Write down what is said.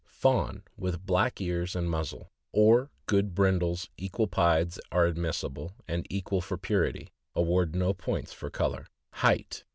— Fawn, with black ears and muzzle, or good brin dles equal pieds are admissible and equal for purity — award no points for color. HEIGHT.